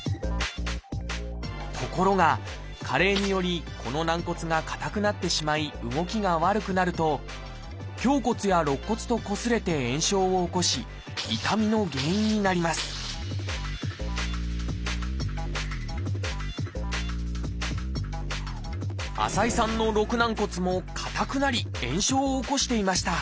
ところが加齢によりこの軟骨が硬くなってしまい動きが悪くなると胸骨や肋骨とこすれて炎症を起こし痛みの原因になります浅居さんの肋軟骨も硬くなり炎症を起こしていました